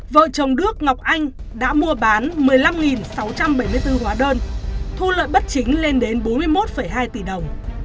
vợ chồng đức ngọc anh đã mua bán một mươi năm sáu trăm bảy mươi bốn hóa đơn thu lợi bất chính lên đến bốn mươi một hai tỷ đồng